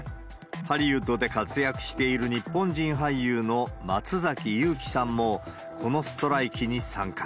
ハリウッドで活躍している日本人俳優の松崎悠希さんも、このストライキに参加。